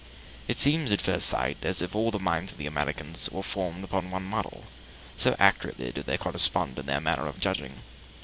It seems, at first sight, as if all the minds of the Americans were formed upon one model, so accurately do they correspond in their manner of judging.